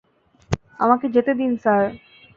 আমাকে যেতে দিন, স্যার।